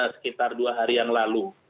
sekitar dua hari yang lalu